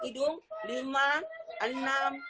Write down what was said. hidung lima enam